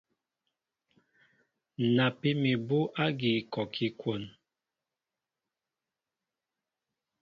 Napí mi abú ágí kɔɔkí kwón.